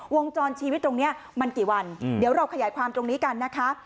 วงจรชีวิตตรงนี้มันกี่วันเดี๋ยวเราขยายความตรงนี้กันนะคะ